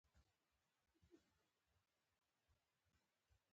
چي دا د اسلامي دولت مهمي وظيفي دي